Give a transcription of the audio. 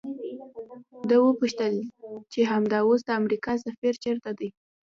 ده وپوښتل چې همدا اوس د امریکا سفیر چیرته دی؟